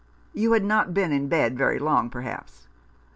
"You had not been in bed very long, perhaps?"